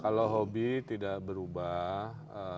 kalau hobi tidak berubah